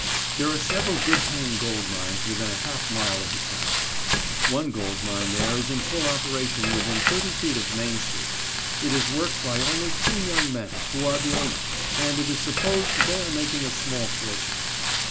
There are several good paying gold mines within a half mile of the town. One gold mine there is in full operation within thirty feet of Main street. It is worked by only three young men, who are the owners, and it is supposed they are making a small fortune.